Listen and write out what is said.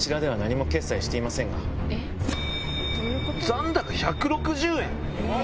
⁉残高１６０円